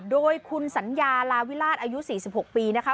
โดยคุณสัญญาลาวิราชอายุ๔๖ปีนะคะ